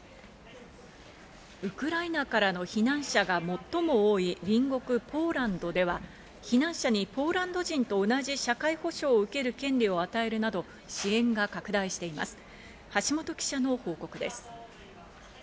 ウクライナからの避難者が最も多い隣国ポーランドでは避難者にポーランド人と同じ社会保障を受ける権利を与えるなど、支援が拡大しています、橋本記者の報告です。